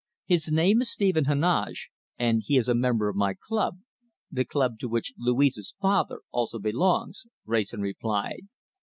"His name is Stephen Heneage, and he is a member of my club, the club to which Louise's father also belongs," Wrayson replied.